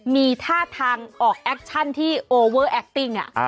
มีท่าทางออกแอคชั่นที่โอเวอร์แอคติ้ง